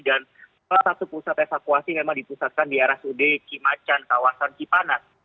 dan salah satu pusat evakuasi memang dipusatkan di rsud kimacan kawasan kipanat